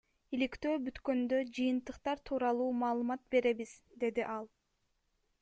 Иликтөө бүткөндө жыйынтыктар тууралуу маалымат беребиз, — деди ал.